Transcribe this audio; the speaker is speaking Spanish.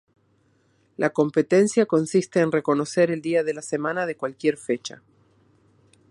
La competencia consiste en reconocer el día de la semana de cualquier fecha.